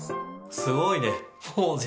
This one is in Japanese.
すごいね。